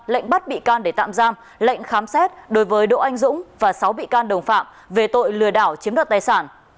lệnh bắt bị can để tạm giam lệnh khám xét đối với đỗ anh dũng và sáu bị can đồng phạm về tội lừa đảo chiếm đoạt tài sản